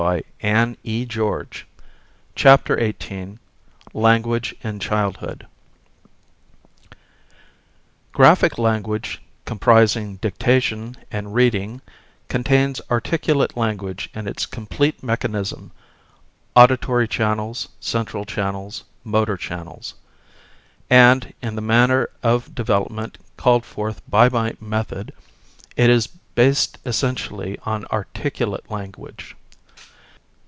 April 7, 1909." CHAPTER XVIII LANGUAGE IN CHILDHOOD GRAPHIC language, comprising dictation and reading, contains articulate language in its complete mechanism (auditory channels, central channels, motor channels), and, in the manner of development called forth by my method, is based essentially on articulate language.